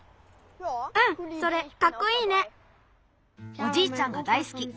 おじいちゃんがだいすき。